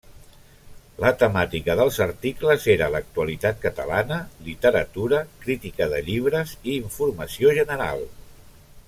La temàtica dels articles era l'actualitat catalana, literatura, crítica de llibres i informació general.